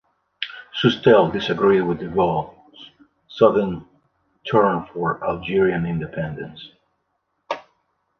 Soustelle disagreed with De Gaulle's sudden turn for Algerian independence.